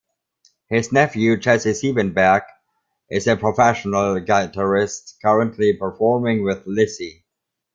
His nephew Jesse Siebenberg is a professional guitarist currently performing with Lissie.